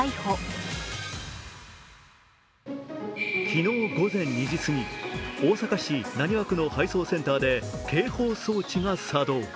昨日午前２時過ぎ、大阪市浪速区の配送センターで警報装置が作動。